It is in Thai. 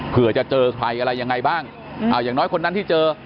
เผื่อจะเจอใครอะไรยังไงบ้างอย่างน้อยคนนั้นที่เจอ